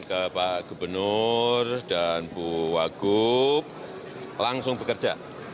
bapak gubernur dan bu wagup langsung bekerja